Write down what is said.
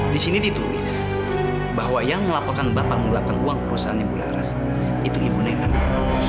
disini ditulis bahwa yang melaporkan bapak menggelapkan uang perusahaan ibu laras itu ibunya yang bener